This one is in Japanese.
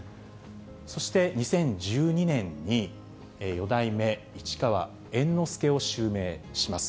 そして、２０１２年に、四代目市川猿之助を襲名します。